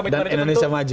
dan indonesia maju